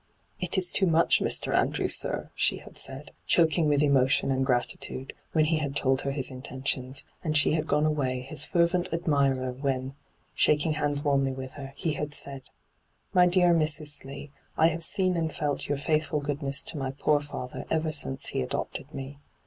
' It is too much, Mr. Andrew, sir,' she had said, choking with emotion and gratitude, when he had told her his intentions ; and she had gone away his fervent admirer when, shaking hands warmly with her, he had said :* My dear Mrs. Slee, I have seen and felt your faithiiil goodness to my poor father ever since he adopted me.